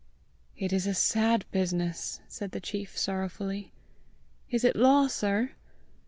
"It is a sad business!" said the chief sorrowfully. "Is it law, sir?"